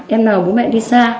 em nào bố mẹ đi xa